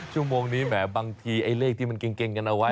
ชั่วโมงนี้แหมบางทีไอ้เลขที่มันเกรงกันเอาไว้